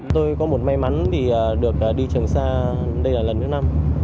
tôi có một may mắn thì được đi trường sa đây là lần thứ năm